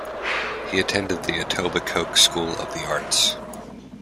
He attended the Etobicoke School of the Arts.